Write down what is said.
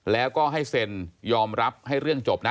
แล้วก็ให้เซ็นยอมรับให้เรื่องจบนะ